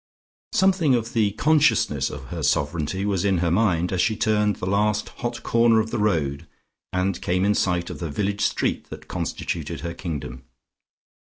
Something of the consciousness of her sovereignty was in her mind, as she turned the last hot corner of the road and came in sight of the village street that constituted her kingdom.